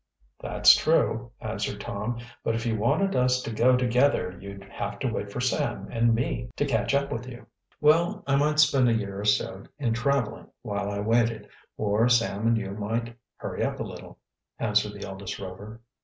"That's true," answered Tom. "But if you wanted us to go together you'd have to wait for Sam and me to catch up to you." "Well, I might spend a year or so in traveling while I waited, or Sam and you might hurry up a little," answered the eldest Rover.